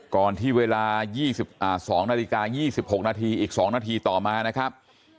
ก่อนที่เวลา๒๒นาฬิกา๒๖นาทีอีก๒นาทีต่อมานะครับ